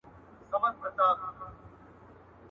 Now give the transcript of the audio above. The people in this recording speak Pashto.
• کبرجن د خداى دښمن دئ.